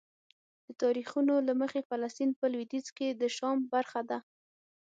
د تاریخونو له مخې فلسطین په لویدیځ کې د شام برخه ده.